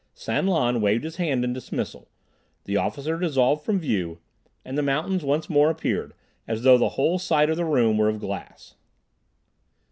San Lan waved his hand in dismissal. The officer dissolved from view, and the mountains once more appeared, as though the whole side of the room were of glass.